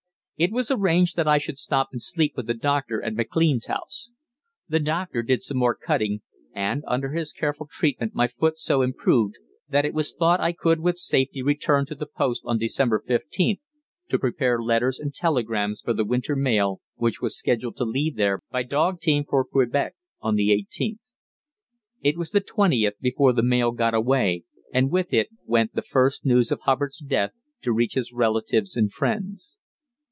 It was arranged that I should stop and sleep with the doctor at McLean's house. The doctor did some more cutting, and under his careful treatment my foot so improved that it was thought I could with safety return to the post on December 15th, to prepare letters and telegrams for the winter mail, which was scheduled to leave there by dog team for Quebec on the 18th. It was the 20th before the mail got away, and with it went the first news of Hubbard's death to reach his relatives and friends.